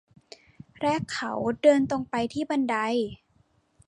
และเขาเดินตรงไปที่บันได